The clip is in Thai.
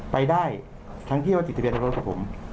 ไปได้ทั้งที่ว่าติดทะเบียในรถกับผม